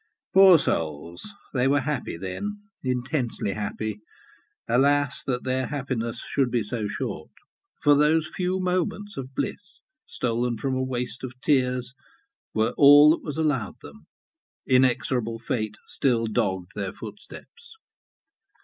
Poor souls! they were happy then intensely happy. Alas! that their happiness should be so short; for those few moments of bliss, stolen from a waste of tears, were all that were allowed them. Inexorable fate still dogged their footsteps.